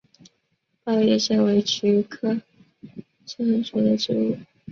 苞叶蓟为菊科蓟属的植物。